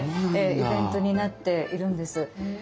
イベントになっているんです。